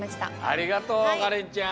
ありがとうカレンちゃん。